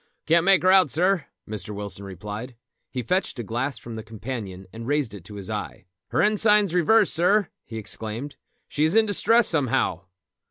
"Can't make her out, sir," Mr. Wilson replied. He fetched a glass from the companion and raised it to his eye. "Her ensign's reversed, sir," he exclaimed. "She is in distress somehow."